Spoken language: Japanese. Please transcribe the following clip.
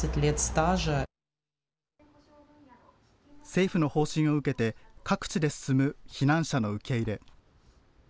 政府の方針を受けて各地で進む避難者の受け入れ。